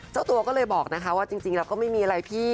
เจ้าตัวก็เลยบอกนะคะว่าจริงแล้วก็ไม่มีอะไรพี่